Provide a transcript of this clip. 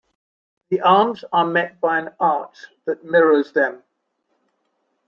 The arms are met by an arch that mirrors them.